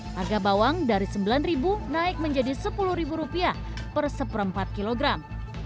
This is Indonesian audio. harga bawang dari rp sembilan naik menjadi rp sepuluh per seperempat kilogram